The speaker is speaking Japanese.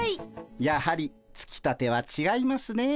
やはりつきたてはちがいますねえ。